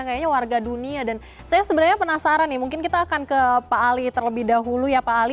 kayaknya warga dunia dan saya sebenarnya penasaran nih mungkin kita akan ke pak ali terlebih dahulu ya pak ali